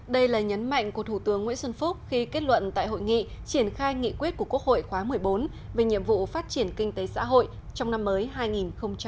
đây là nhấn mạnh của thủ tướng nguyễn xuân phúc khi kết luận tại hội nghị triển khai nghị quyết của quốc hội khóa một mươi bốn về nhiệm vụ phát triển kinh tế xã hội trong năm mới hai nghìn hai mươi